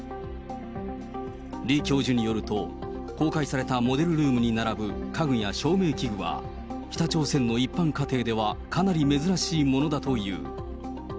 李教授によると、公開されたモデルルームに並ぶ家具や照明器具は、北朝鮮の一般家庭ではかなり珍しいものだという。